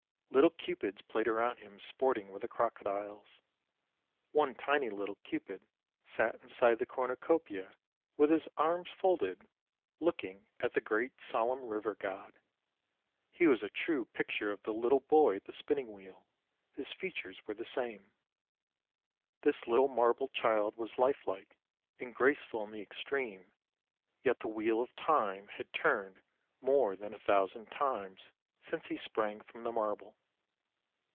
Little Cupids played around him sporting with the crocodiles. One tiny little Cupid sat inside the cornucopia with his arms folded looking at the great solemn river god. He was a true picture of the little boy at the spinning wheel, his features were the same. This little marble child was life like, and graceful in the extreme, yet the wheel of time had turned more than a thousand times since he sprang from the marble.